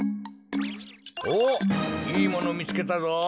おっいいものみつけたぞ。